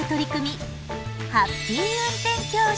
ハッピー運転教室。